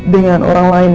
dengan orang lain